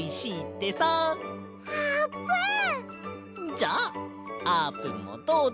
じゃああーぷんもどうぞ。